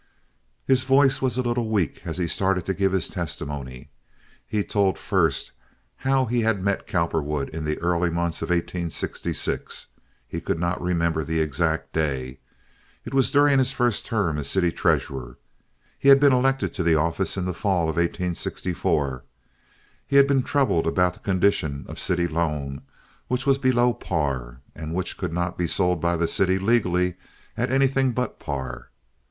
His voice was a little weak as he started to give his testimony. He told first how he had met Cowperwood in the early months of 1866—he could not remember the exact day; it was during his first term as city treasurer—he had been elected to the office in the fall of 1864. He had been troubled about the condition of city loan, which was below par, and which could not be sold by the city legally at anything but par.